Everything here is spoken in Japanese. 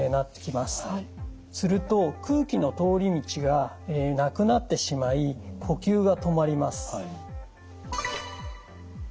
すると空気の通り道がなくなってしまい呼吸が止まります。